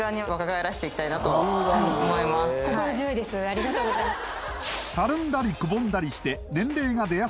ありがとうございます